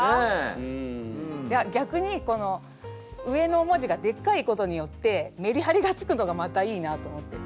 いやぎゃくにこの上の文字がでっかいことによってメリハリがつくのがまたいいなと思って。